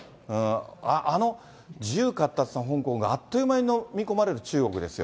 あの自由かっ達な香港があっという間に飲み込まれる中国ですよ。